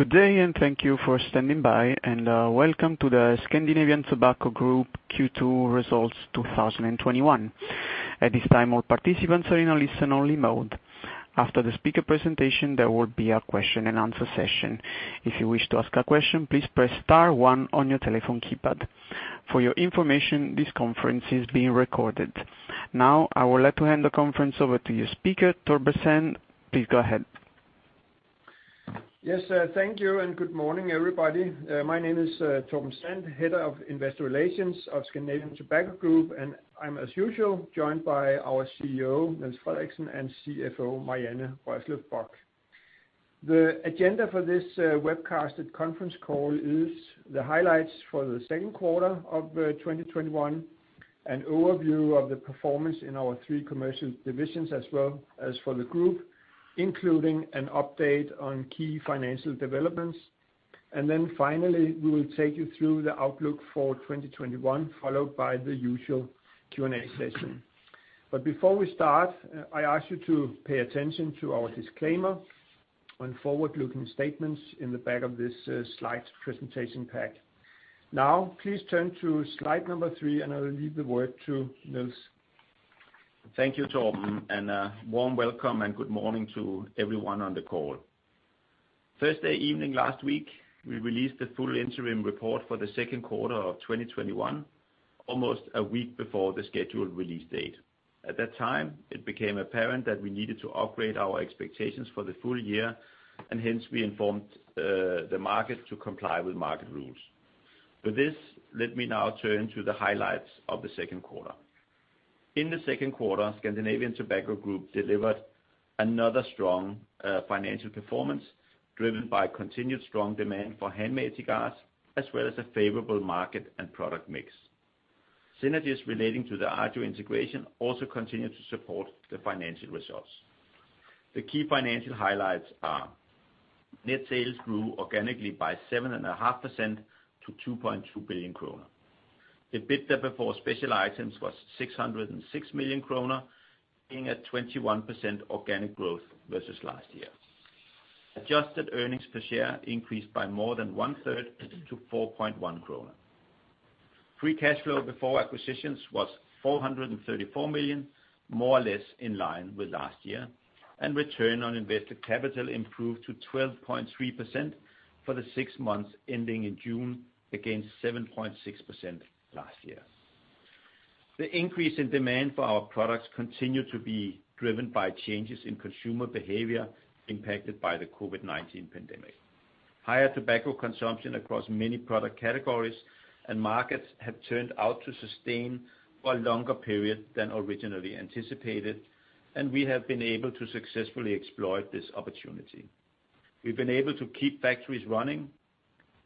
Good day and thank you for standing by, and welcome to the Scandinavian Tobacco Group Q2 Results 2021. At this time, all participants are in a listen only mode. After the speaker presentation, there will be a question and answer session. If you wish to ask a question, please press star one on your telephone keypad. For your information, this conference is being recorded. I would like to hand the conference over to your speaker, Torben Sand. Please go ahead. Yes. Thank you, and good morning, everybody. My name is Torben Sand, Head of Investor Relations of Scandinavian Tobacco Group, and I'm, as usual, joined by our CEO, Niels Frederiksen, and CFO, Marianne Rørslev Bock. The agenda for this webcasted conference call is the highlights for the second quarter of 2021, an overview of the performance in our three commercial divisions, as well as for the group, including an update on key financial developments. Finally, we will take you through the outlook for 2021, followed by the usual Q&A session. Before we start, I ask you to pay attention to our disclaimer on forward-looking statements in the back of this slide presentation pack. Now, please turn to slide number three, and I will leave the word to Niels. Thank you, Torben, and a warm welcome and good morning to everyone on the call. Thursday evening last week, we released the full interim report for the second quarter of 2021, almost a week before the scheduled release date. At that time, it became apparent that we needed to upgrade our expectations for the full year, and hence we informed the market to comply with market rules. With this, let me now turn to the highlights of the second quarter. In the second quarter, Scandinavian Tobacco Group delivered another strong financial performance, driven by continued strong demand for handmade cigars, as well as a favorable market and product mix. Synergies relating to the Agio integration also continue to support the financial results. The key financial highlights are net sales grew organically by 7.5% to 2.2 billion kroner. The EBITDA before special items was 606 million kroner, being at 21% organic growth versus last year. Adjusted earnings per share increased by more than one third to 4.1 krone. Free cash flow before acquisitions was 434 million, more or less in line with last year, and return on invested capital improved to 12.3% for the six months ending in June, against 7.6% last year. The increase in demand for our products continue to be driven by changes in consumer behavior impacted by the COVID-19 pandemic. Higher tobacco consumption across many product categories and markets have turned out to sustain for a longer period than originally anticipated, and we have been able to successfully exploit this opportunity. We've been able to keep factories running.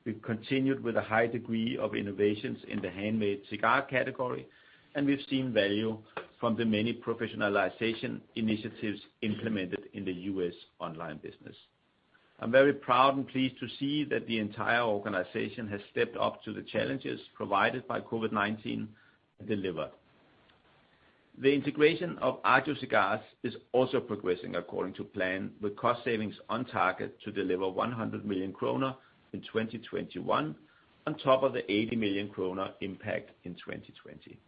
We've continued with a high degree of innovations in the handmade cigars category, and we've seen value from the many professionalization initiatives implemented in the U.S. online business. I'm very proud and pleased to see that the entire organization has stepped up to the challenges provided by COVID-19 delivered. The integration of Agio Cigars is also progressing according to plan with cost savings on target to deliver 100 million kroner in 2021, on top of the 80 million kroner impact in 2020.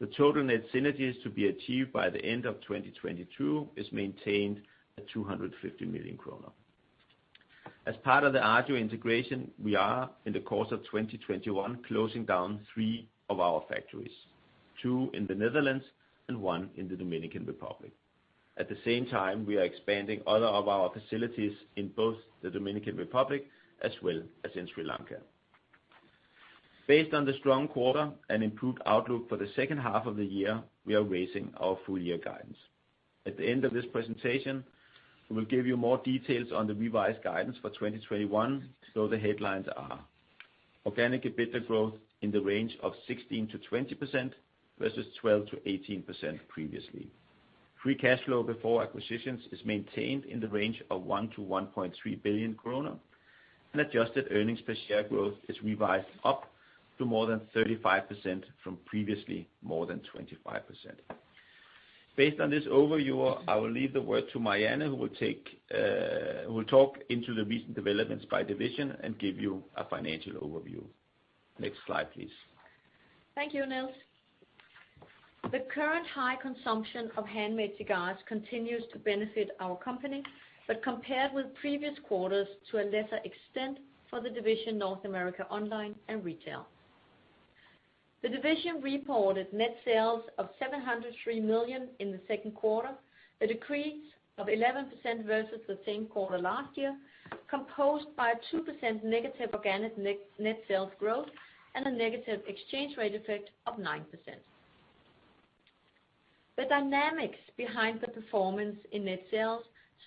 The total net synergies to be achieved by the end of 2022 is maintained at 250 million kroner. As part of the Agio integration, we are, in the course of 2021, closing down three of our factories, two in the Netherlands and one in the Dominican Republic. At the same time, we are expanding other of our facilities in both the Dominican Republic as well as in Sri Lanka. Based on the strong quarter and improved outlook for the second half of the year, we are raising our full year guidance. At the end of this presentation, we will give you more details on the revised guidance for 2021. The headlines are organic EBITDA growth in the range of 16%-20% versus 12%-18% previously. Free cash flow before acquisitions is maintained in the range of 1 billion-1.3 billion krone, and adjusted earnings per share growth is revised up to more than 35% from previously more than 25%. Based on this overview, I will leave the word to Marianne, who will talk into the recent developments by division and give you a financial overview. Next slide, please. Thank you, Niels. The current high consumption of handmade cigars continues to benefit our company, but compared with previous quarters to a lesser extent for the division North America Online & Retail. The division reported net sales of 703 million in the second quarter, a decrease of 11% versus the same quarter last year, composed by 2% negative organic net sales growth and a negative exchange rate effect of 9%. The dynamics behind the performance in net sales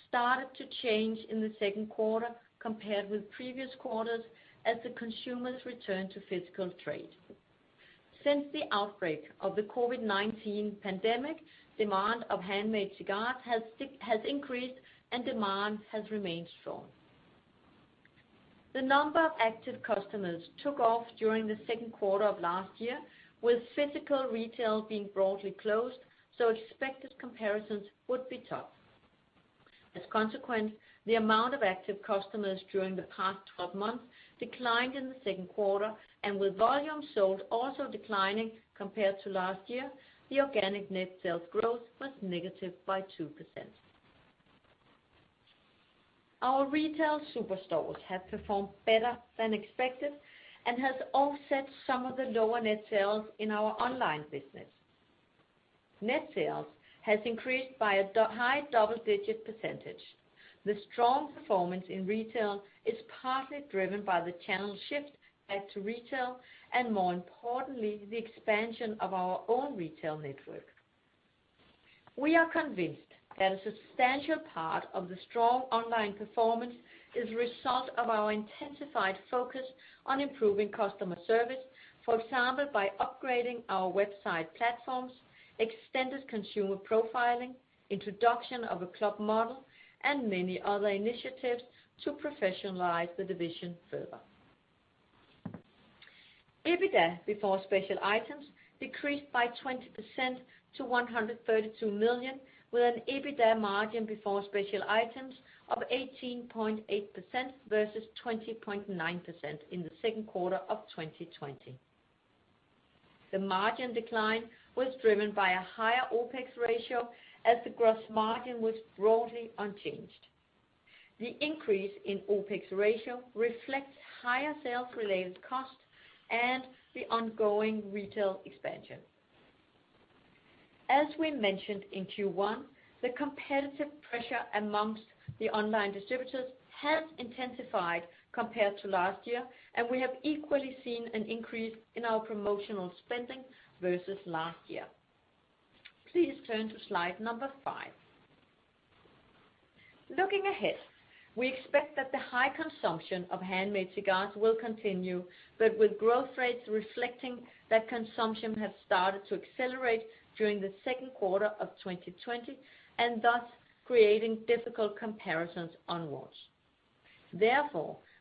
started to change in the second quarter compared with previous quarters as the consumers returned to physical trade. Since the outbreak of the COVID-19 pandemic, demand of handmade cigars has increased, and demand has remained strong. The number of active customers took off during the second quarter of last year with physical retail being broadly closed, so expected comparisons would be tough. As a consequence, the amount of active customers during the past 12 months declined in the second quarter, and with volume sold also declining compared to last year, the organic net sales growth was negative by 2%. Our retail superstores have performed better than expected and has offset some of the lower net sales in our online business. Net sales has increased by a high double-digit percentage. The strong performance in retail is partly driven by the channel shift back to retail, and more importantly, the expansion of our own retail network. We are convinced that a substantial part of the strong online performance is a result of our intensified focus on improving customer service. For example, by upgrading our website platforms, extended consumer profiling, introduction of a club model, and many other initiatives to professionalize the division further. EBITDA before special items decreased by 20% to 132 million, with an EBITDA margin before special items of 18.8% versus 20.9% in the second quarter of 2020. The margin decline was driven by a higher OpEx ratio as the gross margin was broadly unchanged. The increase in OpEx ratio reflects higher sales-related costs and the ongoing retail expansion. As we mentioned in Q1, the competitive pressure amongst the online distributors has intensified compared to last year, and we have equally seen an increase in our promotional spending versus last year. Please turn to slide number five. Looking ahead, we expect that the high consumption of handmade cigars will continue, but with growth rates reflecting that consumption has started to accelerate during the second quarter of 2020, and thus creating difficult comparisons onwards.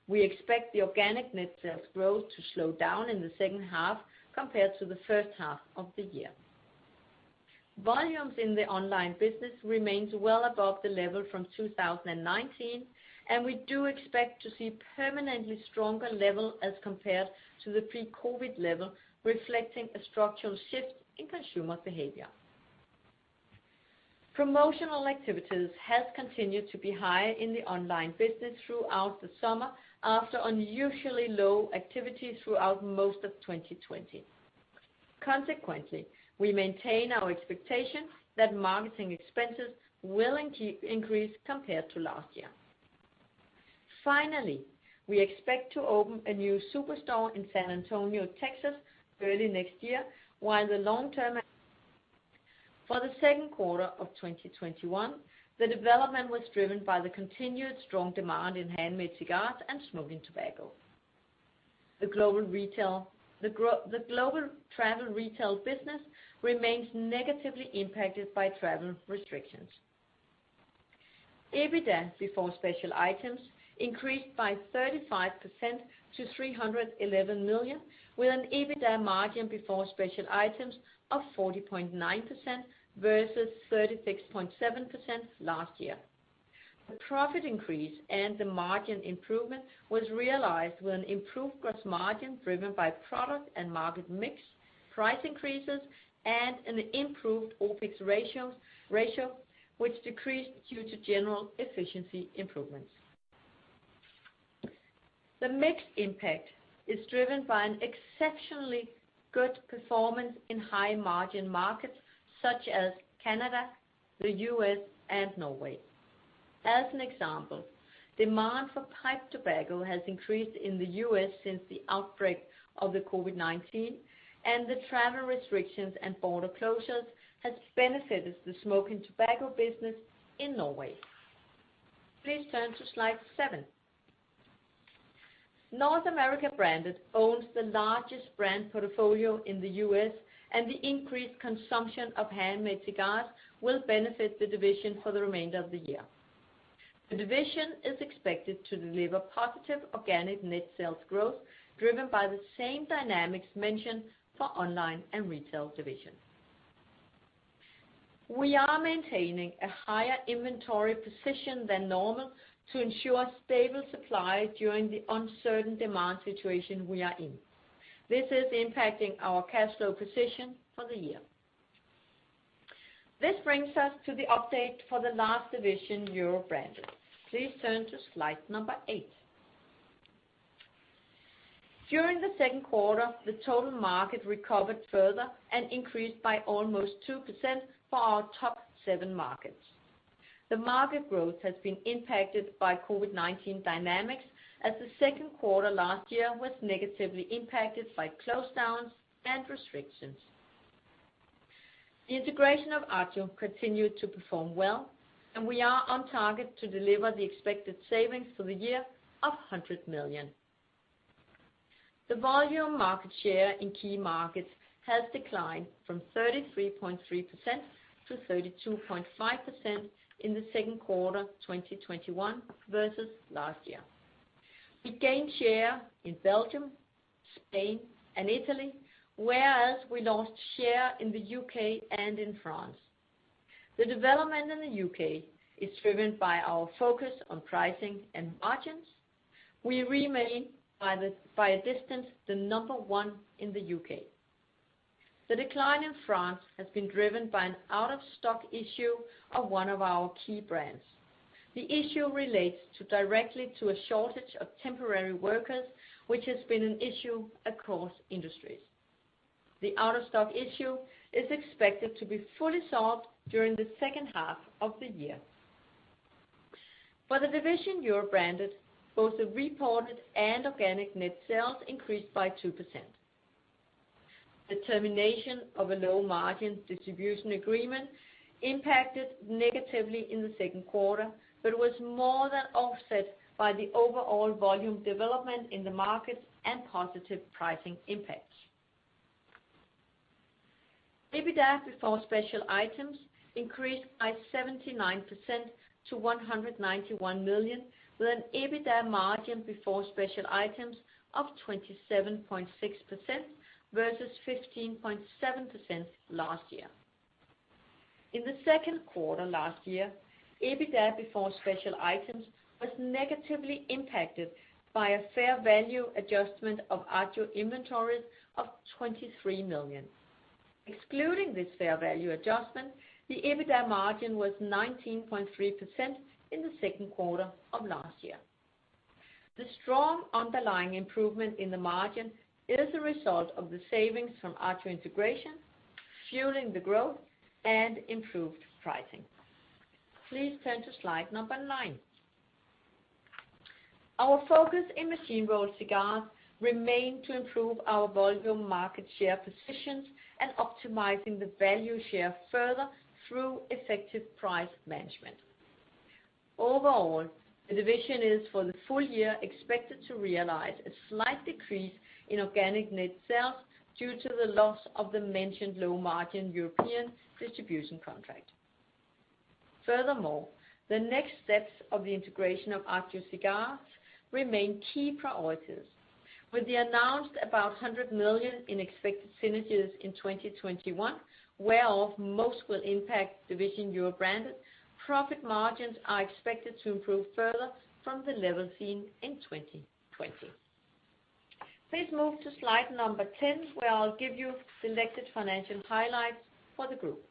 We expect the organic net sales growth to slow down in the second half compared to the first half of the year. Volumes in the online business remain well above the level from 2019. We do expect to see permanently stronger level as compared to the pre-COVID-19 level, reflecting a structural shift in consumer behavior. Promotional activities have continued to be high in the online business throughout the summer after unusually low activity throughout most of 2020. We maintain our expectation that marketing expenses will increase compared to last year. We expect to open a new superstore in San Antonio, Texas early next year. For the second quarter of 2021, the development was driven by the continued strong demand in handmade cigars and Smoking Tobacco. The global travel retail business remains negatively impacted by travel restrictions. EBITDA before special items increased by 35% to 311 million, with an EBITDA margin before special items of 40.9% versus 36.7% last year. The profit increase and the margin improvement was realized with an improved gross margin driven by product and market mix, price increases, and an improved OpEx ratio which decreased due to general efficiency improvements. The mix impact is driven by an exceptionally good performance in high-margin markets such as Canada, the U.S., and Norway. As an example, demand for pipe tobacco has increased in the U.S. since the outbreak of the COVID-19, and the travel restrictions and border closures has benefited the Smoking Tobacco business in Norway. Please turn to slide seven. North America Branded owns the largest brand portfolio in the U.S., and the increased consumption of handmade cigars will benefit the division for the remainder of the year. The division is expected to deliver positive organic net sales growth driven by the same dynamics mentioned for the Online & Retail division. We are maintaining a higher inventory position than normal to ensure stable supply during the uncertain demand situation we are in. This is impacting our cash flow position for the year. This brings us to the update for the last division, Europe Branded. Please turn to slide number eight. During the second quarter, the total market recovered further and increased by almost 2% for our top seven markets. The market growth has been impacted by COVID-19 dynamics as the second quarter last year was negatively impacted by closedowns and restrictions. The integration of Agio continued to perform well, and we are on target to deliver the expected savings for the year of 100 million. The volume market share in key markets has declined from 33.3% to 32.5% in Q2 2021 versus last year. We gained share in Belgium, Spain, and Italy, whereas we lost share in the U.K. and in France. The development in the U.K. is driven by our focus on pricing and margins. We remain, by a distance, the number one in the U.K. The decline in France has been driven by an out-of-stock issue of one of our key brands. The issue relates directly to a shortage of temporary workers, which has been an issue across industries. The out-of-stock issue is expected to be fully solved during the second half of the year. For the division Europe Branded, both the reported and organic net sales increased by 2%. The termination of a low-margin distribution agreement impacted negatively in the second quarter, but was more than offset by the overall volume development in the market and positive pricing impacts. EBITDA before special items increased by 79% to 191 million, with an EBITDA margin before special items of 27.6% versus 15.7% last year. In the second quarter last year, EBITDA before special items was negatively impacted by a fair value adjustment of Agio inventories of 23 million. Excluding this fair value adjustment, the EBITDA margin was 19.3% in the second quarter of last year. The strong underlying improvement in the margin is a result of the savings from Agio integration, fueling the growth and improved pricing. Please turn to slide number nine. Our focus in Machine-Rolled Cigars remain to improve our volume market share positions and optimizing the value share further through effective price management. Overall, the division is, for the full year, expected to realize a slight decrease in organic net sales due to the loss of the mentioned low-margin European distribution contract. Furthermore, the next steps of the integration of Agio Cigars remain key priorities. With the announced about 100 million in expected synergies in 2021, where most will impact division Europe Branded, profit margins are expected to improve further from the level seen in 2020. Please move to slide number 10, where I'll give you selected financial highlights for the group.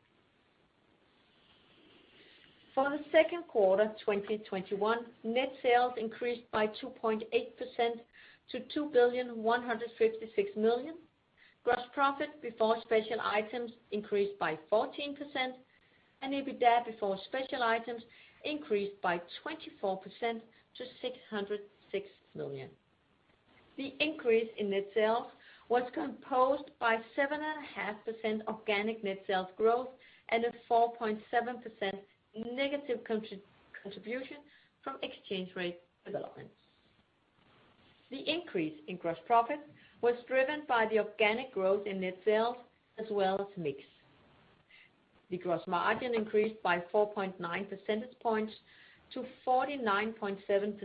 For the second quarter 2021, net sales increased by 2.8% to 2.156 billion. Gross profit before special items increased by 14%, and EBITDA before special items increased by 24% to 606 million. The increase in net sales was composed by 7.5% organic net sales growth and a 4.7% negative contribution from exchange rate developments. The increase in gross profit was driven by the organic growth in net sales as well as mix. The gross margin increased by 4.9 percentage points to 49.7%,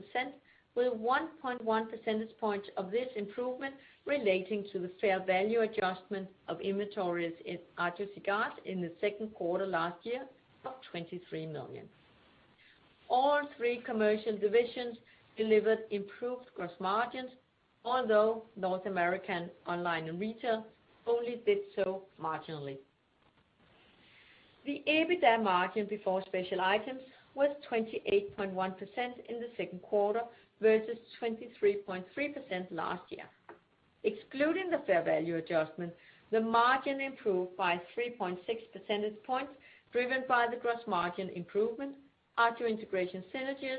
with 1.1 percentage points of this improvement relating to the fair value adjustment of inventories in Agio Cigars in the second quarter last year of 23 million. All three commercial divisions delivered improved gross margins, although North America Online & Retail only did so marginally. The EBITDA margin before special items was 28.1% in the second quarter versus 23.3% last year. Excluding the fair value adjustment, the margin improved by 3.6 percentage points, driven by the gross margin improvement, Agio integration synergies,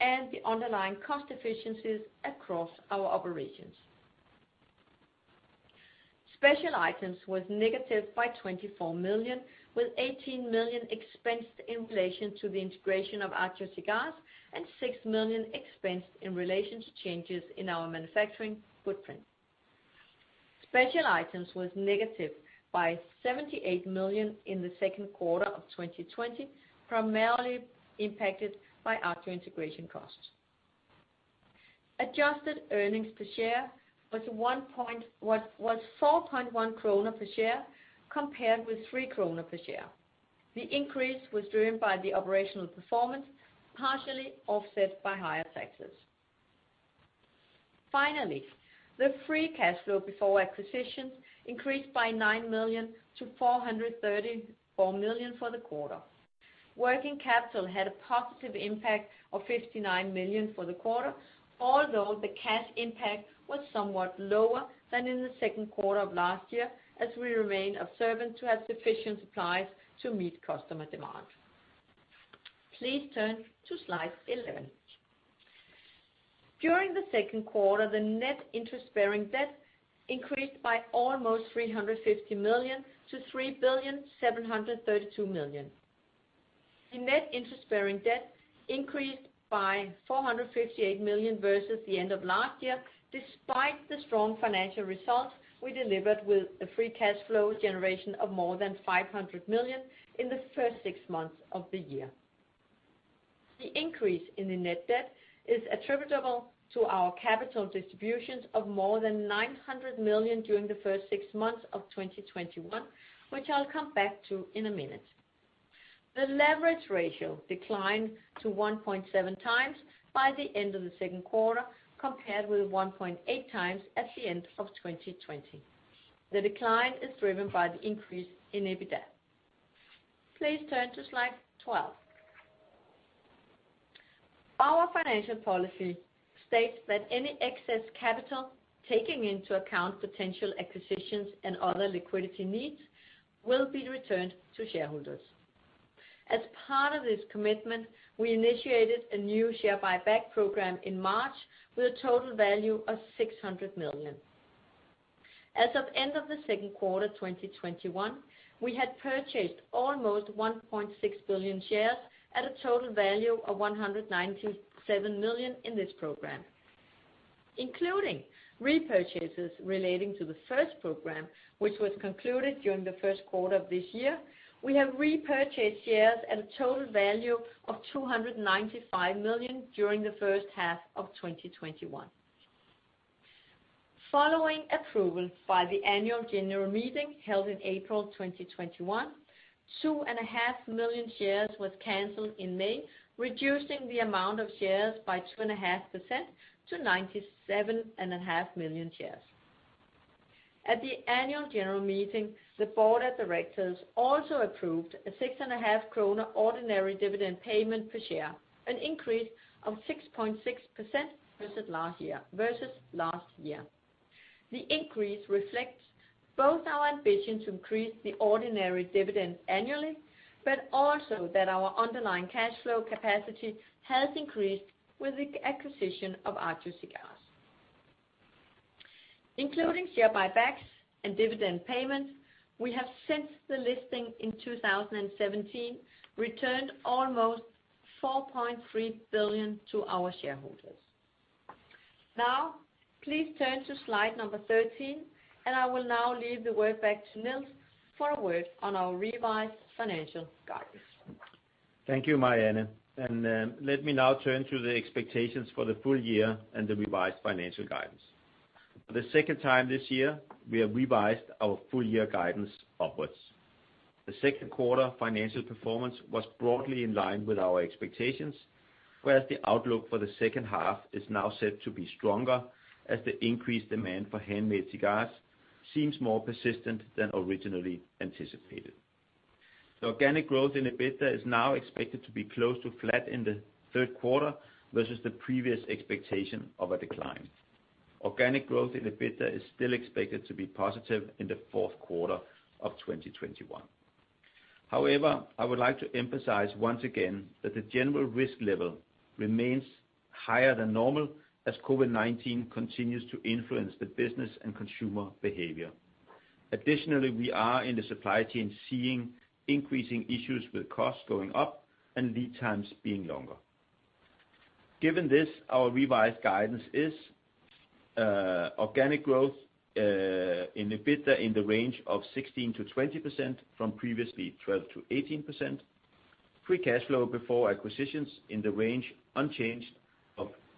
and the underlying cost efficiencies across our operations. Special items was negative by 24 million, with 18 million expensed in relation to the integration of Agio Cigars and 6 million expensed in relation to changes in our manufacturing footprint. Special items was negative by 78 million in the second quarter of 2020, primarily impacted by Agio integration costs. Adjusted earnings per share was 4.1 krone per share compared with 3 krone per share. The increase was driven by the operational performance, partially offset by higher taxes. Finally, the free cash flow before acquisitions increased by 9 million to 434 million for the quarter. Working capital had a positive impact of 59 million for the quarter, although the cash impact was somewhat lower than in the second quarter of last year, as we remain observant to have sufficient supplies to meet customer demands. Please turn to slide 11. During the second quarter, the net interest-bearing debt increased by almost 350 million to 3,732 million. The net interest-bearing debt increased by 458 million versus the end of last year, despite the strong financial results we delivered with a free cash flow generation of more than 500 million in the first six months of the year. The increase in the net debt is attributable to our capital distributions of more than 900 million during the first six months of 2021, which I'll come back to in a minute. The leverage ratio declined to 1.7x by the end of the second quarter, compared with 1.8x at the end of 2020. The decline is driven by the increase in EBITDA. Please turn to slide 12. Our financial policy states that any excess capital, taking into account potential acquisitions and other liquidity needs, will be returned to shareholders. As part of this commitment, we initiated a new share buyback program in March with a total value of 600 million. As of end of the second quarter 2021, we had purchased almost 1.6 billion shares at a total value of 197 million in this program. Including repurchases relating to the first program, which was concluded during the first quarter of this year, we have repurchased shares at a total value of 295 million during the first half of 2021. Following approval by the annual general meeting held in April 2021, 2.5 million shares was canceled in May, reducing the amount of shares by 2.5% to 97.5 million shares. At the annual general meeting, the Board of Directors also approved a 6.5 kroner ordinary dividend payment per share, an increase of 6.6% versus last year. The increase reflects both our ambition to increase the ordinary dividend annually, but also that our underlying cash flow capacity has increased with the acquisition of Agio Cigars. Including share buybacks and dividend payments, we have, since the listing in 2017, returned almost 4.3 billion to our shareholders. Now, please turn to slide 13. I will now leave the word back to Niels for a word on our revised financial guidance. Thank you, Marianne. Let me now turn to the expectations for the full year and the revised financial guidance. For the second time this year, we have revised our full year guidance upwards. The second quarter financial performance was broadly in line with our expectations, whereas the outlook for the second half is now set to be stronger as the increased demand for handmade cigars seems more persistent than originally anticipated. The organic growth in EBITDA is now expected to be close to flat in the third quarter versus the previous expectation of a decline. Organic growth in EBITDA is still expected to be positive in the fourth quarter of 2021. I would like to emphasize once again that the general risk level remains higher than normal as COVID-19 continues to influence the business and consumer behavior. Additionally, we are in the supply chain seeing increasing issues with costs going up and lead times being longer. Given this, our revised guidance is organic growth in EBITDA in the range of 16%-20% from previously 12%-18%. Free cash flow before acquisitions in the range unchanged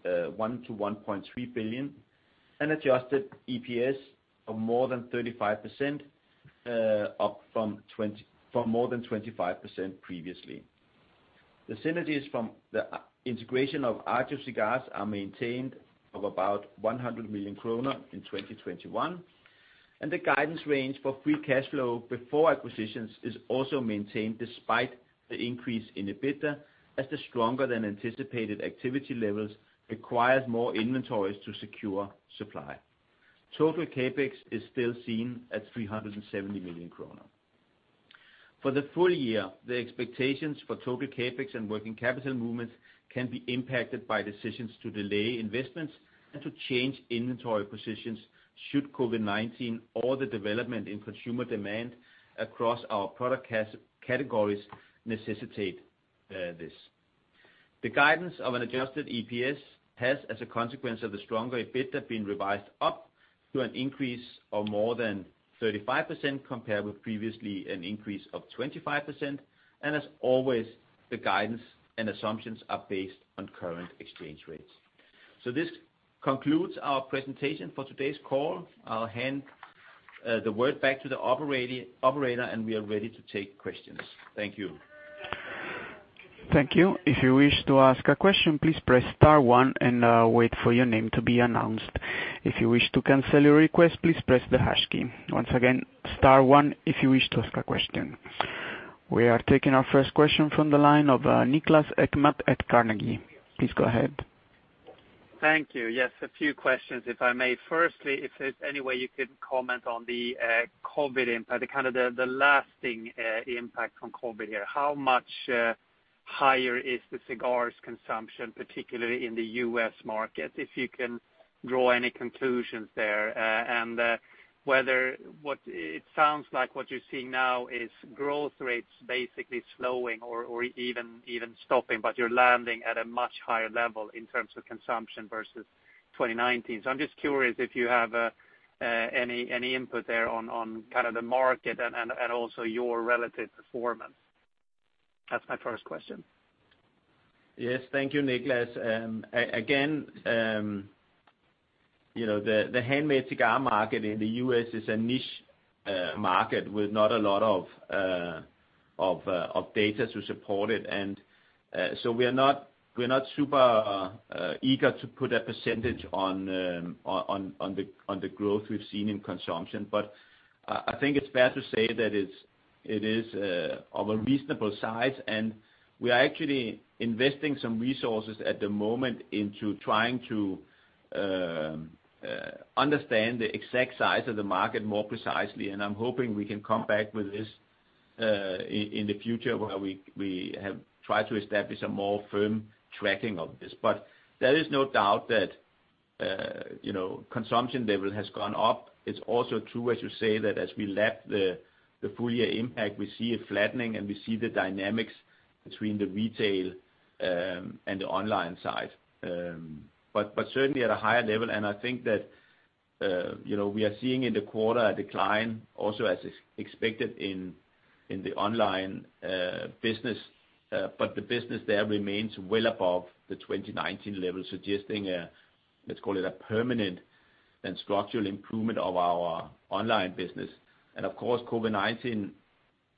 of 1 billion-1.3 billion, and adjusted EPS of more than 35%, up from more than 25% previously. The synergies from the integration of Agio Cigars are maintained of about 100 million kroner in 2021, and the guidance range for free cash flow before acquisitions is also maintained despite the increase in EBITDA, as the stronger than anticipated activity levels requires more inventories to secure supply. Total CapEx is still seen at 370 million kroner. For the full year, the expectations for total CapEx and working capital movements can be impacted by decisions to delay investments and to change inventory positions should COVID-19 or the development in consumer demand across our product categories necessitate this. The guidance of an adjusted EPS has, as a consequence of the stronger EBITDA, been revised up to an increase of more than 35% compared with previously an increase of 25%, and as always, the guidance and assumptions are based on current exchange rates. This concludes our presentation for today's call. I'll hand the word back to the operator, and we are ready to take questions. Thank you. Thank you. If you wish to ask a question, please press star one and wait for your name to be announced. If you wish to cancel your request, please press the hash key. Once again, star one if you wish to ask a question. We are taking our first question from the line of Niklas Ekman at Carnegie. Please go ahead. Thank you. Yes, a few questions, if I may. Firstly, if there's any way you could comment on the COVID-19 impact, the lasting impact from COVID-19 here. How much higher is the cigars consumption, particularly in the U.S. market? If you can draw any conclusions there. It sounds like what you're seeing now is growth rates basically slowing or even stopping, but you're landing at a much higher level in terms of consumption versus 2019. I'm just curious if you have any input there on the market and also your relative performance. That's my first question. Yes. Thank you, Niklas. Again, the handmade cigars market in the U.S. is a niche market with not a lot of data to support it, we're not super eager to put a percentage on the growth we've seen in consumption. I think it's fair to say that it is of a reasonable size, and we are actually investing some resources at the moment into trying to understand the exact size of the market more precisely. I'm hoping we can come back with this in the future, where we have tried to establish a more firm tracking of this. There is no doubt that consumption level has gone up. It's also true, as you say, that as we lap the full year impact, we see a flattening, and we see the dynamics between the Retail and the Online side. Certainly at a higher level, and I think that we are seeing in the quarter a decline also as expected in the Online business. The business there remains well above the 2019 level, suggesting, let's call it a permanent and structural improvement of our Online business. Of course, COVID-19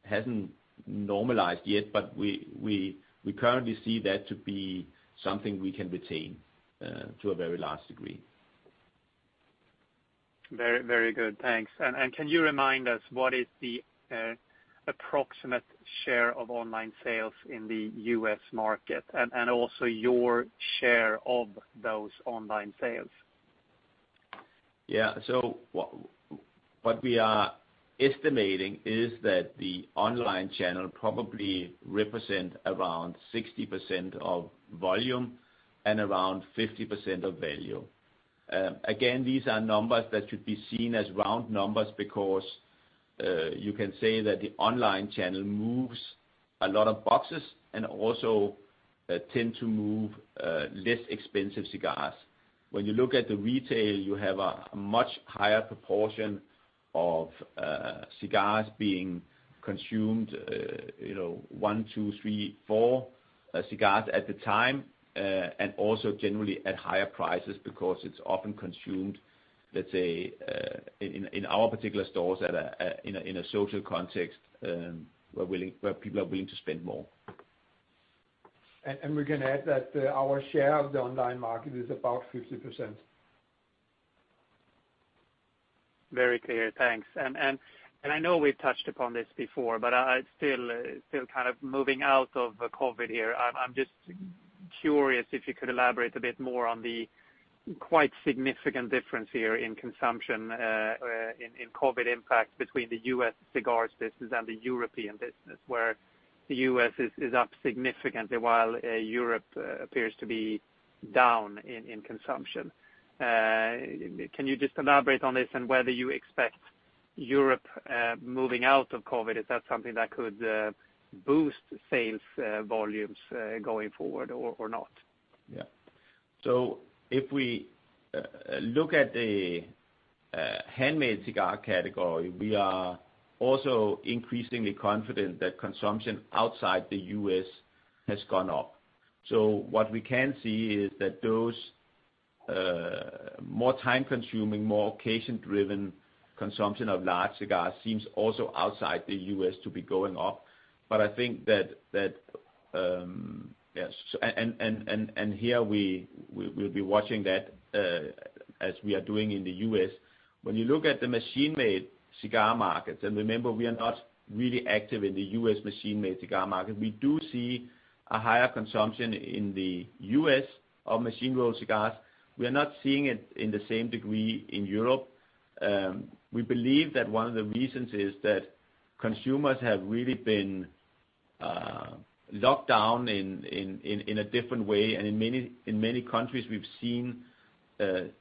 hasn't normalized yet, but we currently see that to be something we can retain to a very large degree. Very good, thanks. Can you remind us what is the approximate share of online sales in the U.S. market and also your share of those online sales? What we are estimating is that the Online channel probably represent around 60% of volume and around 50% of value. Again, these are numbers that should be seen as round numbers because you can say that the Online channel moves a lot of boxes and also tend to move less expensive cigars. When you look at the Retail, you have a much higher proportion of cigars being consumed, one, two, three, four cigars at a time, and also generally at higher prices because it's often consumed, let's say, in our particular stores in a social context, where people are willing to spend more. We can add that our share of the online market is about 50%. Very clear. Thanks. I know we've touched upon this before, but I still kind of moving out of COVID-19 here. I'm just curious if you could elaborate a bit more on the quite significant difference here in consumption in COVID-19 impact between the U.S. cigars business and the European business, where the U.S. is up significantly while Europe appears to be down in consumption. Can you just elaborate on this and whether you expect Europe moving out of COVID-19? Is that something that could boost sales volumes going forward or not? Yeah. If we look at the handmade cigars category, we are also increasingly confident that consumption outside the U.S. has gone up. What we can see is that those more time-consuming, more occasion-driven consumption of large cigars seems also outside the U.S. to be going up. Here we'll be watching that as we are doing in the U.S. When you look at the Machine-Rolled Cigars markets, remember, we are not really active in the U.S. Machine-Rolled Cigars market. We do see a higher consumption in the U.S. of Machine-Rolled Cigars. We are not seeing it in the same degree in Europe. We believe that one of the reasons is that consumers have really been locked down in a different way. In many countries, we've seen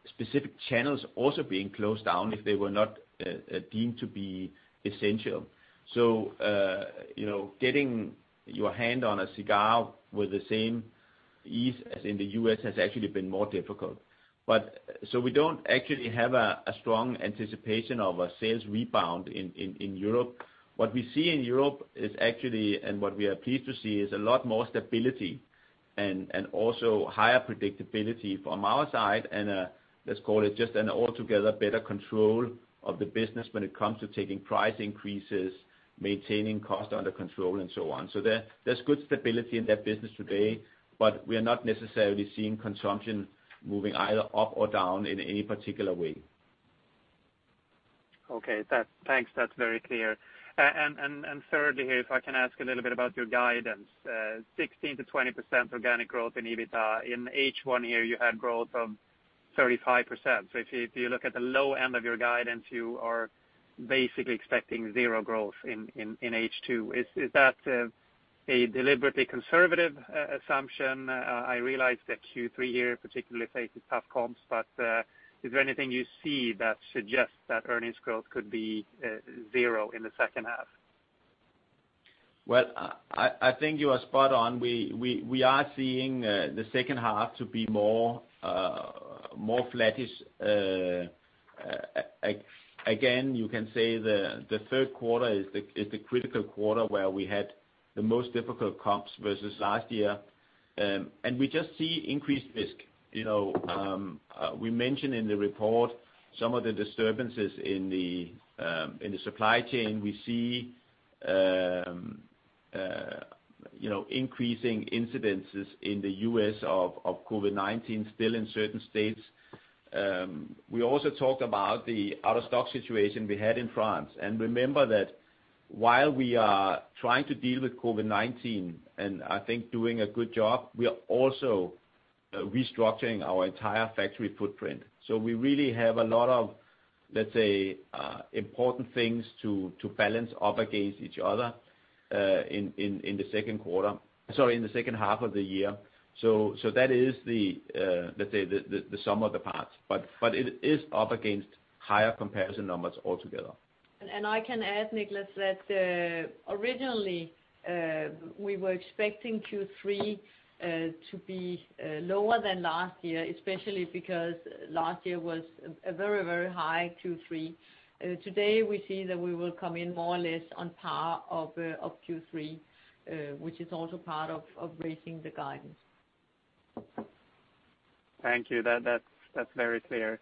specific channels also being closed down if they were not deemed to be essential. Getting your hand on a cigar with the same ease as in the U.S. has actually been more difficult. We don't actually have a strong anticipation of a sales rebound in Europe. What we see in Europe is actually, and what we are pleased to see is a lot more stability and also higher predictability from our side and, let's call it just an altogether better control of the business when it comes to taking price increases, maintaining cost under control, and so on. There's good stability in that business today, but we are not necessarily seeing consumption moving either up or down in any particular way. Okay, thanks. That's very clear. Thirdly here, if I can ask a little bit about your guidance, 16%-20% organic growth in EBITDA. In H1 here, you had growth of 35%. If you look at the low end of your guidance, you are basically expecting zero growth in H2. Is that a deliberately conservative assumption? I realize that Q3 here particularly faces tough comps, but is there anything you see that suggests that earnings growth could be zero in the second half? Well, I think you are spot on. We are seeing the second half to be more flattish. You can say the third quarter is the critical quarter where we had the most difficult comps versus last year. We just see increased risk. We mentioned in the report some of the disturbances in the supply chain. We see increasing incidences in the U.S. of COVID-19 still in certain states. We also talked about the out-of-stock situation we had in France. Remember that while we are trying to deal with COVID-19, and I think doing a good job, we are also restructuring our entire factory footprint. We really have a lot of, let's say, important things to balance off against each other in the second half of the year. That is the sum of the parts. It is up against higher comparison numbers altogether. I can add, Niklas, that originally we were expecting Q3 to be lower than last year, especially because last year was a very high Q3. Today, we see that we will come in more or less on par of Q3, which is also part of raising the guidance. Thank you. That's very clear.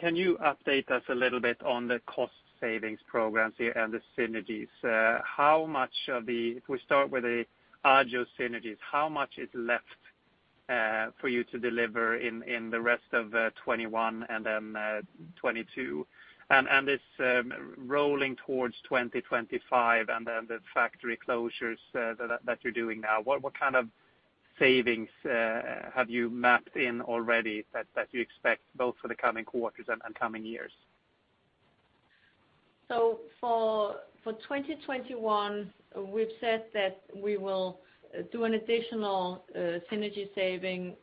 Can you update us a little bit on the cost savings programs here and the synergies? If we start with the Agio synergies, how much is left for you to deliver in the rest of 2021 and then 2022? This rolling towards 2025 and then the factory closures that you're doing now, what kind of savings have you mapped in already that you expect both for the coming quarters and coming years? For 2021, we've said that we will do an additional synergy saving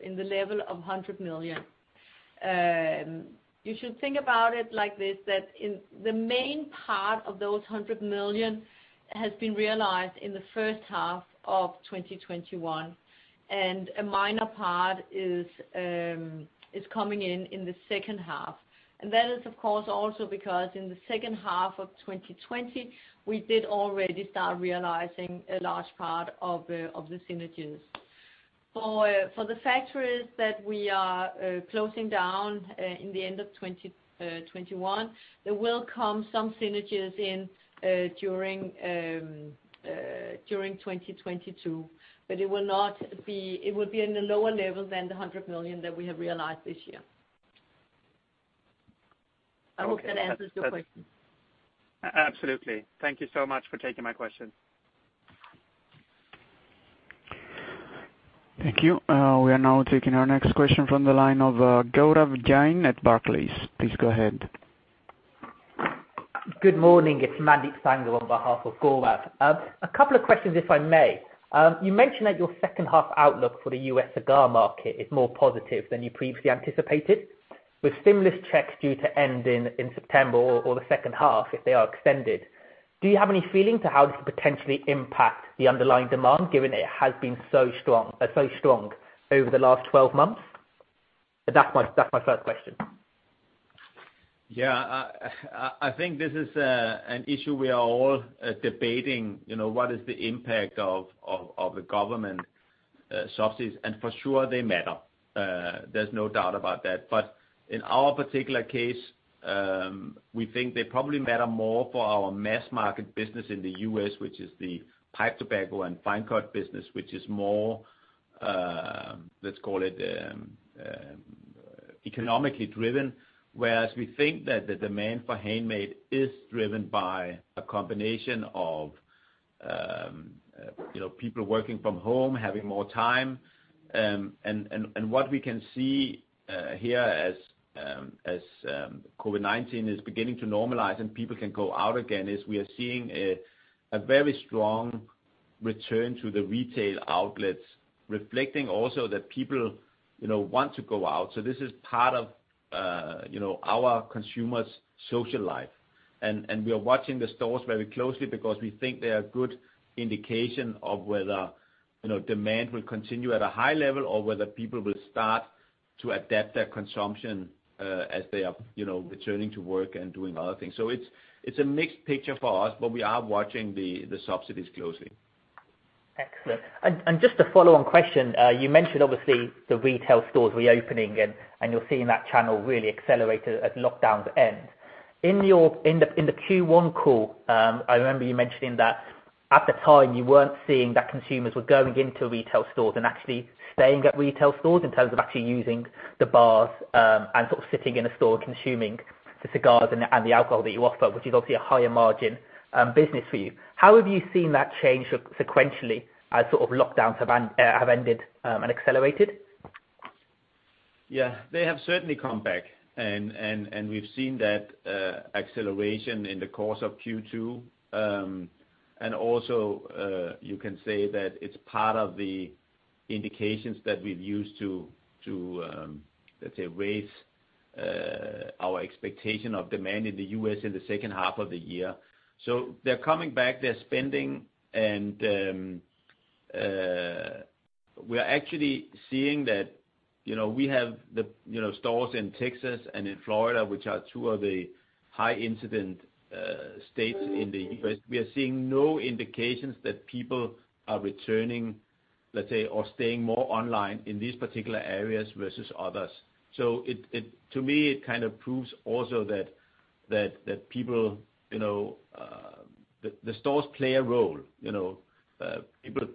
in the level of 100 million. You should think about it like this, that the main part of those 100 million has been realized in the first half of 2021, and a minor part is coming in in the second half. That is, of course, also because in the second half of 2020, we did already start realizing a large part of the synergies. For the factories that we are closing down in the end of 2021, there will come some synergies in during 2022, but it will be in a lower level than the 100 million that we have realized this year. I hope that answers your question. Absolutely. Thank you so much for taking my question. Thank you. We are now taking our next question from the line of Gaurav Jain at Barclays. Please go ahead. Good morning. It's Mandeep Sangha on behalf of Gaurav. A couple of questions, if I may. You mentioned that your second half outlook for the U.S. cigar market is more positive than you previously anticipated. With stimulus checks due to end in September or the second half, if they are extended, do you have any feeling to how this could potentially impact the underlying demand, given it has been so strong over the last 12 months? That's my first question. Yeah. I think this is an issue we are all debating, what is the impact of the government subsidies? For sure they matter. There's no doubt about that. In our particular case, we think they probably matter more for our mass market business in the U.S., which is the pipe tobacco and fine-cut tobacco business, which is more, let's call it, economically driven. Whereas we think that the demand for handmade is driven by a combination of people working from home, having more time. What we can see here as COVID-19 is beginning to normalize and people can go out again, is we are seeing a very strong return to the retail outlets, reflecting also that people want to go out. This is part of our consumers' social life. We are watching the stores very closely because we think they are good indication of whether demand will continue at a high level or whether people will start to adapt their consumption as they are returning to work and doing other things. It's a mixed picture for us, but we are watching the subsidies closely. Excellent. Just a follow-on question. You mentioned, obviously, the retail stores reopening, and you're seeing that channel really accelerate as lockdowns end. In the Q1 call, I remember you mentioning that at the time, you weren't seeing that consumers were going into retail stores and actually staying at retail stores in terms of actually using the bars and sort of sitting in a store consuming the cigars and the alcohol that you offer, which is obviously a higher margin business for you. How have you seen that change sequentially as lockdowns have ended and accelerated? Yeah, they have certainly come back. We've seen that acceleration in the course of Q2. Also you can say that it's part of the indications that we've used to, let's say, raise our expectation of demand in the U.S. in the second half of the year. They're coming back. They're spending. We are actually seeing that we have the stores in Texas and in Florida, which are two of the high incident states in the U.S. We are seeing no indications that people are returning, let's say, or staying more online in these particular areas versus others. To me, it kind of proves also that the stores play a role. People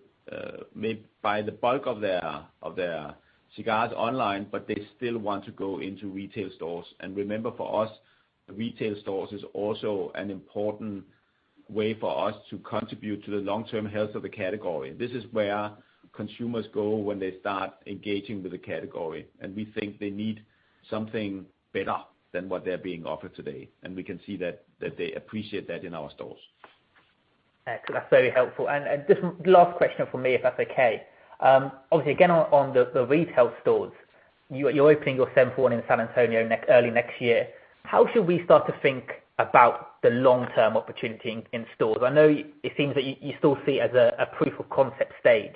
may buy the bulk of their cigars online. They still want to go into retail stores. Remember, for us, retail stores is also an important way for us to contribute to the long-term health of the category. This is where consumers go when they start engaging with the category, and we think they need something better than what they're being offered today, and we can see that they appreciate that in our stores. Excellent. That's very helpful. Just last question from me, if that's okay. Obviously, again, on the retail stores, you're opening your seventh one in San Antonio early next year. How should we start to think about the long-term opportunity in stores? I know it seems that you still see it as a proof of concept stage,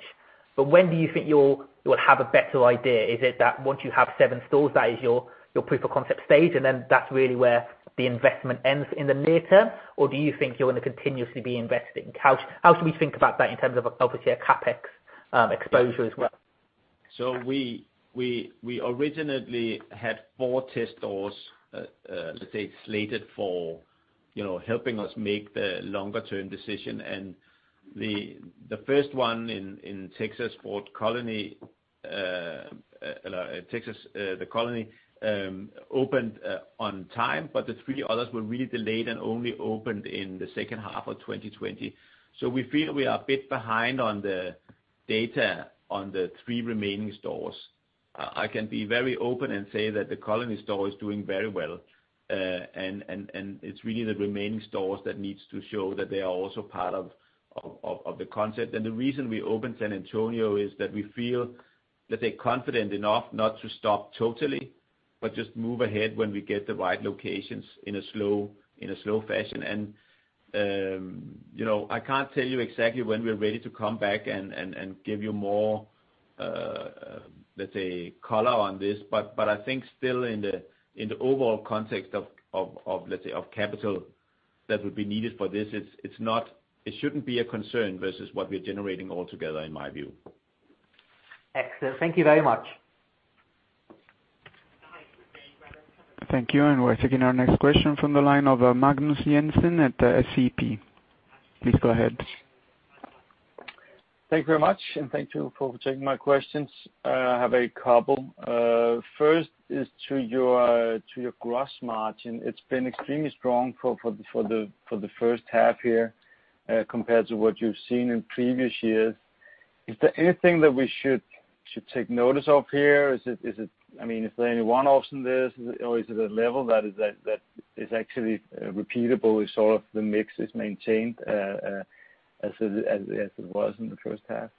but when do you think you'll have a better idea? Is it that once you have seven stores, that is your proof of concept stage, and then that's really where the investment ends in the near term, or do you think you're going to continuously be investing? How should we think about that in terms of, obviously, a CapEx exposure as well? We originally had four test stores, let's say, slated for helping us make the longer term decision. The first one in Texas, The Colony, opened on time, but the three others were really delayed and only opened in the second half of 2020. We feel we are a bit behind on the data on the three remaining stores. I can be very open and say that The Colony store is doing very well, and it's really the remaining stores that needs to show that they are also part of the concept. The reason we opened San Antonio is that we feel that they're confident enough not to stop totally, but just move ahead when we get the right locations in a slow fashion. I can't tell you exactly when we're ready to come back and give you more, let's say, color on this, but I think still in the overall context of capital that would be needed for this, it shouldn't be a concern versus what we're generating altogether, in my view. Excellent. Thank you very much. Thank you. We're taking our next question from the line of Magnus Jensen at SEB. Please go ahead. Thank you very much, and thank you for taking my questions. I have a couple. First is to your gross margin. It's been extremely strong for the first half year compared to what you've seen in previous years. Is there anything that we should take notice of here? Is there any one-offs in this, or is it a level that is actually repeatable if sort of the mix is maintained as it was in the first half?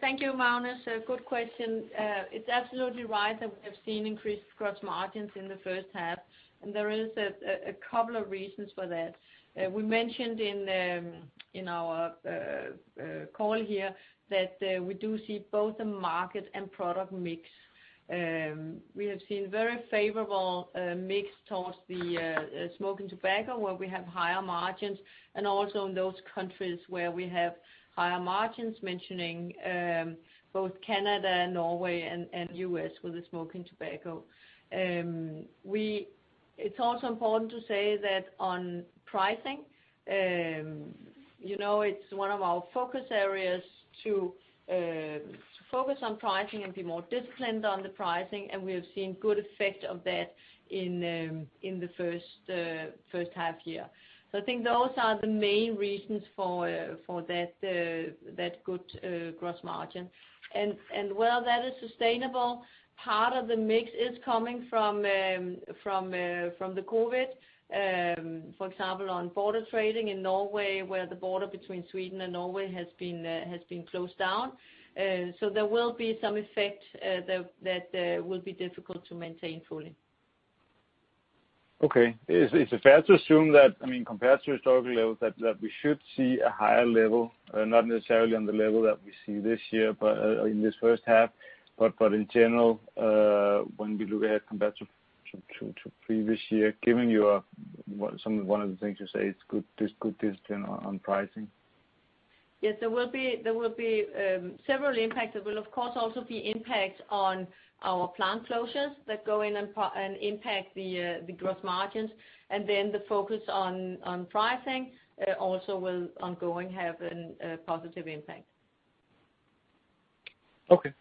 Thank you, Magnus. A good question. It's absolutely right that we have seen increased gross margins in the first half, and there is a couple of reasons for that. We mentioned in our call here that we do see both the market and product mix. We have seen very favorable mix towards the Smoking Tobacco, where we have higher margins, and also in those countries where we have higher margins, mentioning both Canada, Norway, and U.S. with the Smoking Tobacco. It's also important to say that on pricing, it's one of our focus areas to focus on pricing and be more disciplined on the pricing, and we have seen good effect of that in the first half year. I think those are the main reasons for that good gross margin. While that is sustainable, part of the mix is coming from the COVID-19, for example, on border trading in Norway, where the border between Sweden and Norway has been closed down. There will be some effect that will be difficult to maintain fully. Okay. Is it fair to assume that, compared to historical levels, that we should see a higher level, not necessarily on the level that we see this year, but in this first half, but in general, when we look ahead compared to previous year, given one of the things you say is good discipline on pricing? Yes, there will be several impacts. There will, of course, also be impacts on our plant closures that go in and impact the gross margins. The focus on pricing also will ongoing have a positive impact. Okay.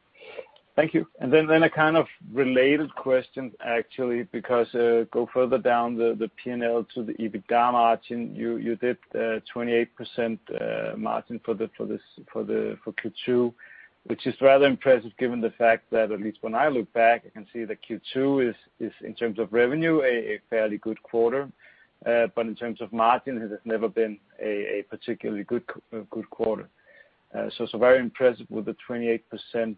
Thank you. Then a kind of related question, actually, because go further down the P&L to the EBITDA margin. You did 28% margin for Q2, which is rather impressive given the fact that at least when I look back, I can see that Q2 is, in terms of revenue, a fairly good quarter. In terms of margin, it has never been a particularly good quarter. Very impressive with the 28%.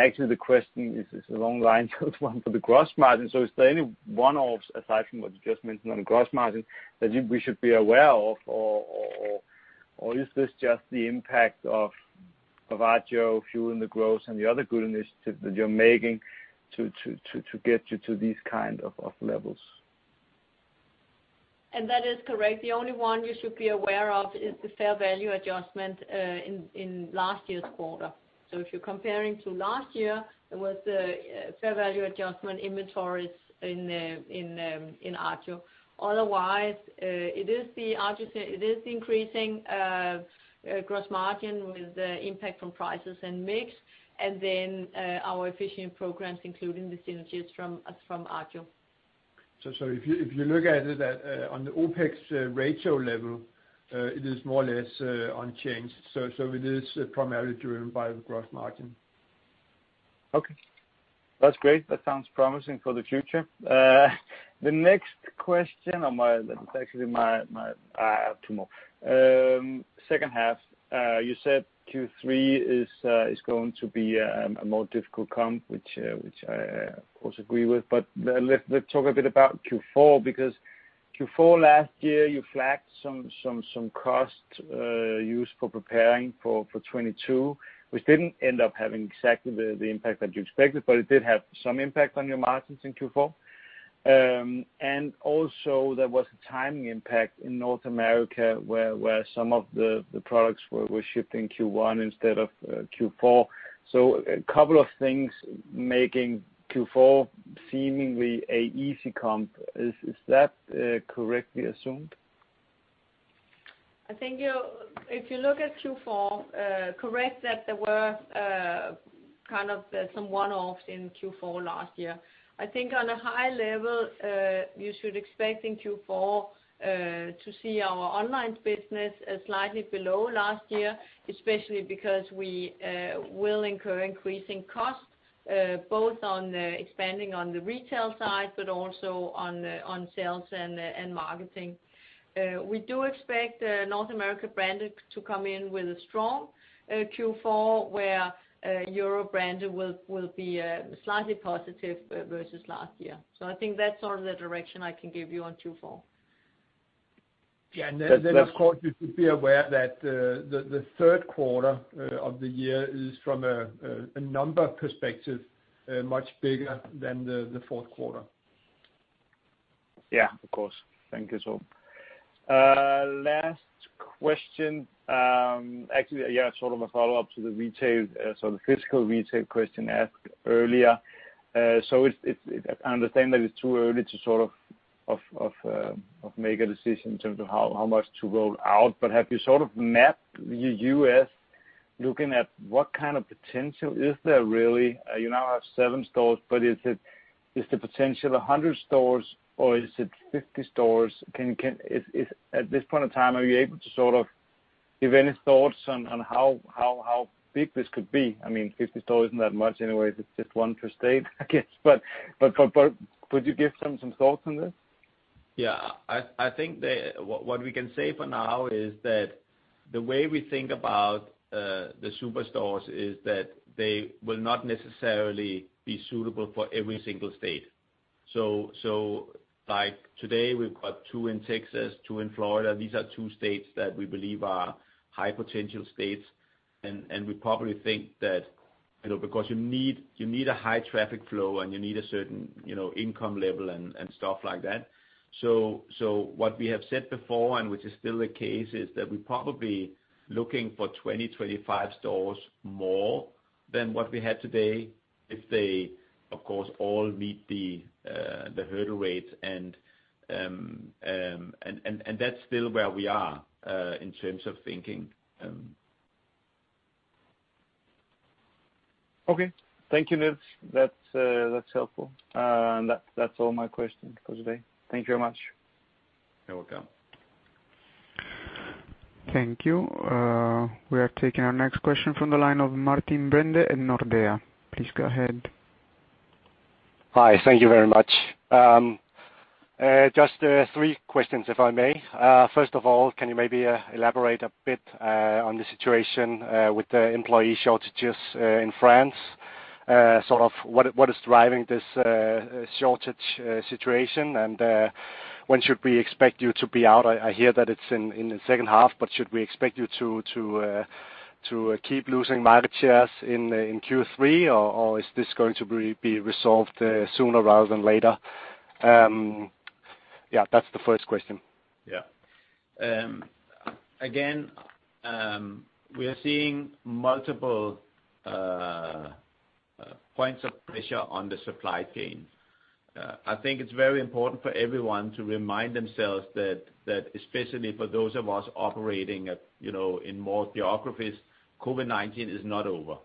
Actually the question is a long line item for the gross margin. Is there any one-offs aside from what you just mentioned on gross margin that we should be aware of, or is this just the impact of Agio fueling the growth and the other good initiatives that you're making to get you to these kind of levels? That is correct. The only one you should be aware of is the fair value adjustment in last year's quarter. If you're comparing to last year, there was a fair value adjustment inventories in Agio. Otherwise, it is the Agio, it is increasing gross margin with the impact from prices and mix and then our efficient programs, including the synergies from Agio. If you look at it on the OpEx ratio level, it is more or less unchanged. It is primarily driven by the gross margin. Okay. That's great. That sounds promising for the future. The next question, I actually have two more. Second half, you said Q3 is going to be a more difficult comp, which I of course agree with, but let's talk a bit about Q4 because Q4 last year you flagged some cost use for preparing for 2022, which didn't end up having exactly the impact that you expected, but it did have some impact on your margins in Q4. Also there was a timing impact in North America where some of the products were shipped in Q1 instead of Q4. A couple of things making Q4 seemingly a easy comp. Is that correctly assumed? I think if you look at Q4, correct that there were kind of some one-offs in Q4 last year. I think on a high level, you should expect in Q4 to see our online business slightly below last year, especially because we will incur increasing costs, both on expanding on the retail side, but also on sales and marketing. We do expect North America Branded to come in with a strong Q4 where Europe Branded will be slightly positive versus last year. I think that's sort of the direction I can give you on Q4. Yeah. Of course you should be aware that the third quarter of the year is from a number perspective, much bigger than the fourth quarter. Yeah, of course. Thank you, Torben. Last question, actually sort of a follow-up to the retail, so the physical retail question asked earlier. I understand that it's too early to sort of make a decision in terms of how much to roll out, but have you sort of mapped U.S. looking at what kind of potential is there really? You now have seven stores, but is the potential 100 stores or is it 50 stores? At this point in time, are you able to sort of give any thoughts on how big this could be? I mean, 50 stores isn't that much anyways, it's just one per state, I guess. Could you give some thoughts on this? Yeah, I think what we can say for now is that the way we think about the superstores is that they will not necessarily be suitable for every single state. Like today we've got two in Texas, two in Florida. These are two states that we believe are high potential states and we probably think that because you need a high traffic flow and you need a certain income level and stuff like that. What we have said before, and which is still the case, is that we're probably looking for 20, 25 stores more than what we have today if they, of course, all meet the hurdle rates. That's still where we are, in terms of thinking. Okay. Thank you, Niels. That's helpful. That's all my questions for today. Thank you very much. You're welcome. Thank you. We are taking our next question from the line of Martin Brenøe at Nordea. Please go ahead. Hi. Thank you very much. Just three questions, if I may. First of all, can you maybe elaborate a bit on the situation with the employee shortages in France? Sort of what is driving this shortage situation and when should we expect you to be out? I hear that it's in the second half, but should we expect you to keep losing market shares in Q3, or is this going to be resolved sooner rather than later? That's the first question. Yeah. Again, we are seeing multiple points of pressure on the supply chain. I think it's very important for everyone to remind themselves that especially for those of us operating in more geographies, COVID-19 is not over.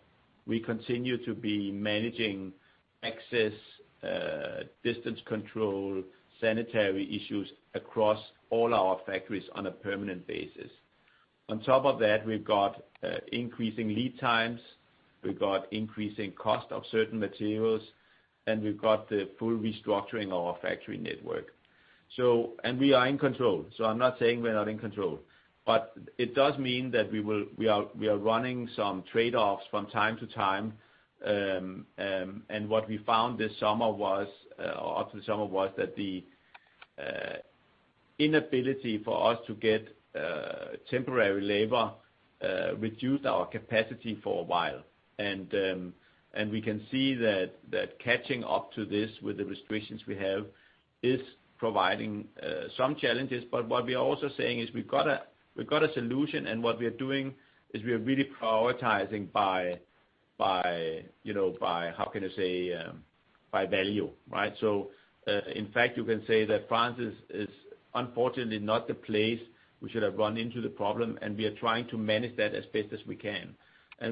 We continue to be managing access, distance control, sanitary issues across all our factories on a permanent basis. We've got increasing lead times, we've got increasing cost of certain materials, and we've got the full restructuring of our factory network. We are in control. I'm not saying we're not in control, but it does mean that we are running some trade-offs from time to time. What we found up to this summer was that the inability for us to get temporary labor reduced our capacity for a while. We can see that catching up to this with the restrictions we have is providing some challenges. What we are also saying is we've got a solution and what we are doing is we are really prioritizing by value. Right? In fact, you can say that France is unfortunately not the place we should have run into the problem, and we are trying to manage that as best as we can.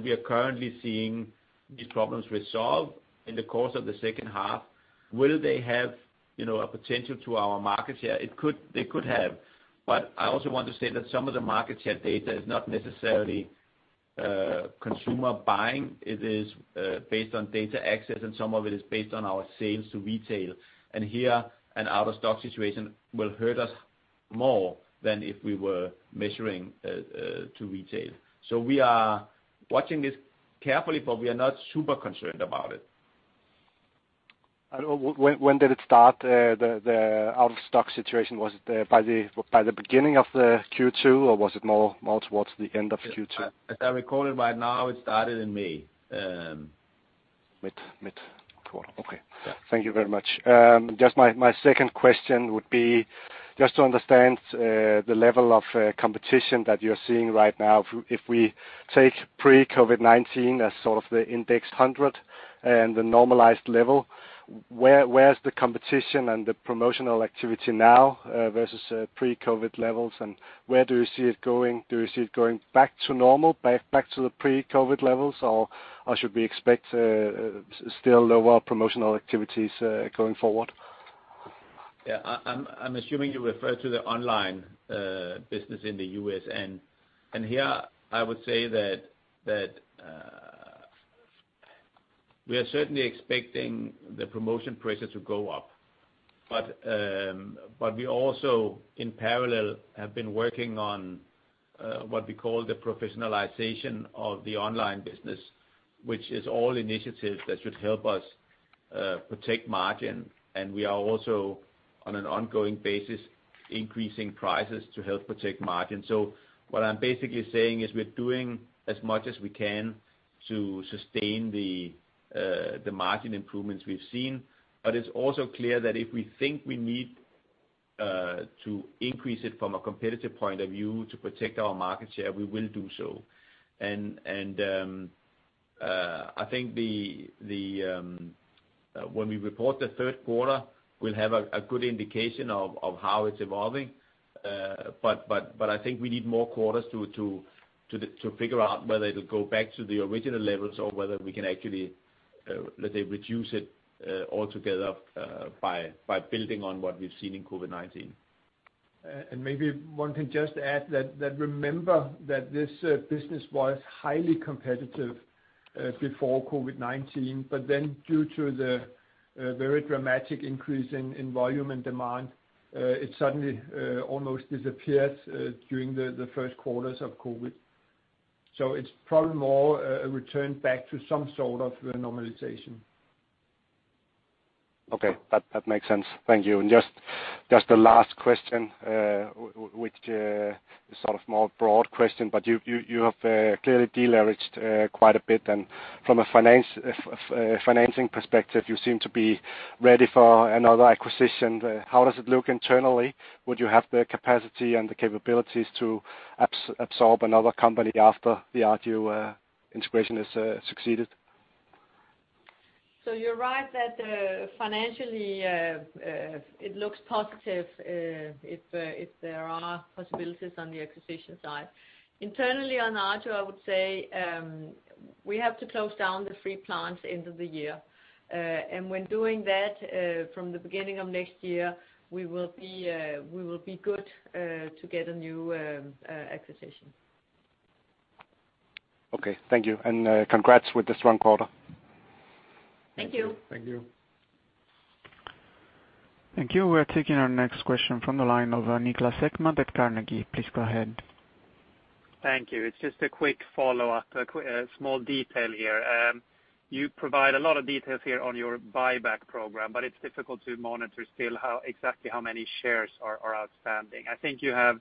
We are currently seeing these problems resolve in the course of the second half. Will they have a potential to our market share? They could have, but I also want to say that some of the market share data is not necessarily consumer buying. It is based on data access, and some of it is based on our sales to retail. Here, an out-of-stock situation will hurt us more than if we were measuring to retail. We are watching this carefully, but we are not super concerned about it. When did it start, the out-of-stock situation? Was it by the beginning of the Q2, or was it more towards the end of Q2? As I recall it right now, it started in May. Mid quarter. Okay. Yeah. Thank you very much. My second question would be just to understand the level of competition that you're seeing right now. If we take pre-COVID-19 as sort of the index 100 and the normalized level, where's the competition and the promotional activity now versus pre-COVID levels, and where do you see it going? Do you see it going back to normal, back to the pre-COVID levels, or should we expect still lower promotional activities going forward? I'm assuming you refer to the Online business in the U.S. Here, I would say that we are certainly expecting the promotion prices to go up. We also, in parallel, have been working on what we call the professionalization of the Online business, which is all initiatives that should help us protect margin. We are also, on an ongoing basis, increasing prices to help protect margin. What I'm basically saying is we're doing as much as we can to sustain the margin improvements we've seen, but it's also clear that if we think we need to increase it from a competitive point of view to protect our market share, we will do so. I think when we report the third quarter, we'll have a good indication of how it's evolving. I think we need more quarters to figure out whether it'll go back to the original levels or whether we can actually, let's say, reduce it altogether by building on what we've seen in COVID-19. Maybe one can just add that, remember that this business was highly competitive before COVID-19, but then due to the very dramatic increase in volume and demand, it suddenly almost disappeared during the first quarters of COVID. It's probably more a return back to some sort of normalization. Okay. That makes sense. Thank you. Just the last question, which is sort of more broad question, but you have clearly de-leveraged quite a bit, and from a financing perspective, you seem to be ready for another acquisition. How does it look internally? Would you have the capacity and the capabilities to absorb another company after the Agio integration has succeeded? You're right that financially it looks positive if there are possibilities on the acquisition side. Internally on Agio, I would say we have to close down the three plants end of the year. When doing that, from the beginning of next year, we will be good to get a new acquisition. Okay. Thank you. Congrats with the strong quarter. Thank you. Thank you. Thank you. Thank you. We're taking our next question from the line of Niklas Ekman at Carnegie. Please go ahead. Thank you. It's just a quick follow-up, a small detail here. You provide a lot of details here on your buyback program, but it's difficult to monitor still exactly how many shares are outstanding. I think you have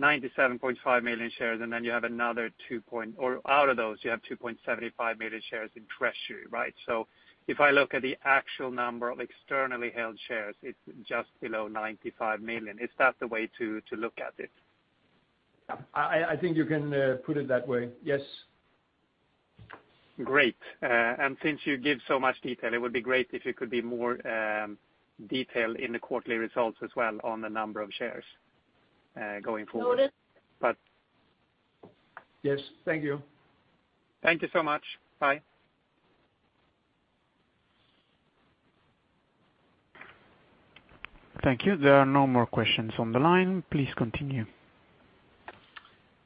97.5 million shares, and then you have 2.75 million shares in treasury, right? If I look at the actual number of externally held shares, it's just below 95 million. Is that the way to look at it? I think you can put it that way. Yes. Great. Since you give so much detail, it would be great if you could be more detailed in the quarterly results as well on the number of shares going forward. Noted. Yes. Thank you. Thank you so much. Bye. Thank you. There are no more questions on the line. Please continue.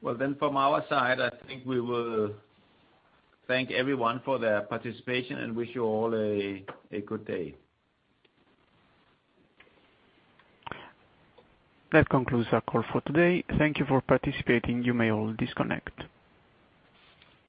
From our side, I think we will thank everyone for their participation and wish you all a good day. That concludes our call for today. Thank you for participating. You may all disconnect.